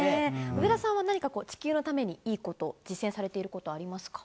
上田さんは何かこう、地球のためにいいこと、実践されてることありますか？